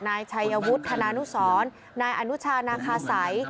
นายชายอาวุธธนานุสรนายอนุชานาฮาไสย